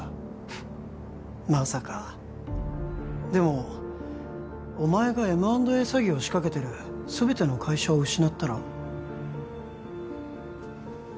フッまさかでもお前がＭ＆Ａ詐欺を仕掛けてる全ての会社を失ったら？